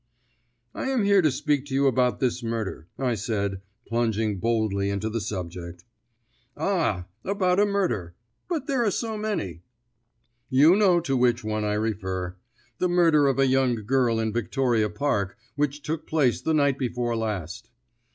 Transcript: "I am here to speak to you about this murder," I said, plunging boldly into the subject. "Ah, about a murder! But there are so many." "You know to which one I refer. The murder of a young girl in Victoria Park, which took place the night before last."